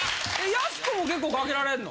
やす子も結構かけられるの？